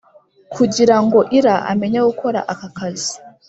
Kugira ngo Ira amenye gukora aka kazi,